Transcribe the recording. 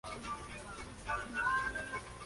En la parte inferior discurre una vía ferroviaria.